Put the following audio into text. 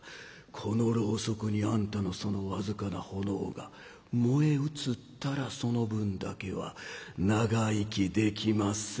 このろうそくにあんたのその僅かな炎が燃え移ったらその分だけは長生きできまっせ」。